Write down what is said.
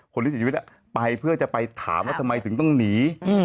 คนที่เสียชีวิตไปเพื่อจะไปถามว่าทำไมถึงต้องหนี